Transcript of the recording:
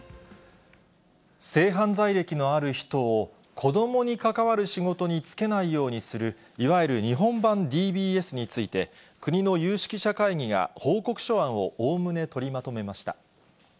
性犯罪歴のある人を子どもに関わる仕事に就けないようにするいわゆる日本版ＤＢＳについて、国の有識者会議が報告書案をおおむね取りまとめました。